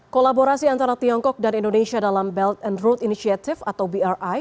kolaborasi antara tiongkok dan indonesia dalam belt and road initiative atau bri